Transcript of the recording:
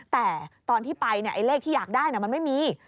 แต่ตอนที่ไปเลขที่อยากได้มันไม่มี